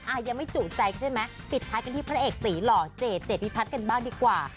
อ่ะยังไม่จุใจใช่ไหมปิดท้ายกันที่พระเอกสีหล่อเจดเจพิพัฒน์กันบ้างดีกว่า